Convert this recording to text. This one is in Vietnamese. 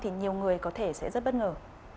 thì nhiều người có thể sẽ rất bất ngờ